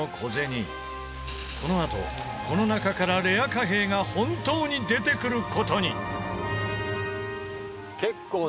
このあとこの中からレア貨幣が本当に出てくる事に！